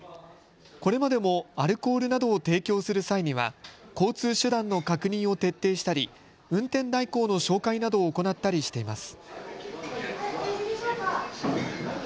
これまでもアルコールなどを提供する際には交通手段の確認を徹底したり運転代行の紹介などを行ったりしています。